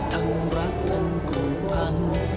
ทั้งรักทั้งผูกพัน